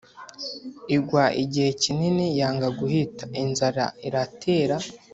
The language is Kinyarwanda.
Igwa igihe kinini, yanga guhita, inzara iratera .